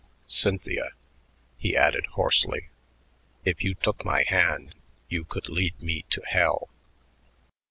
"Cynthia," he added hoarsely, "if you took my hand, you could lead me to hell."